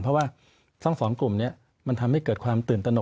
เพราะว่าทั้งสองกลุ่มนี้มันทำให้เกิดความตื่นตนก